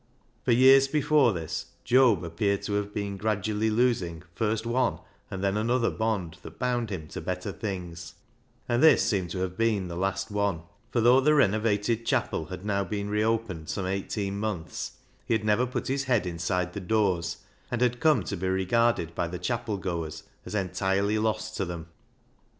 For years before this Job appeared to have been gradually losing first one and then another bond that bound him to better things, and this seemed to have been the last one, for though the renovated chapel had now been reopened some eighteen months, he had never put his head inside the doors, and had come to be regarded by the chapel goers as entirely lost to them.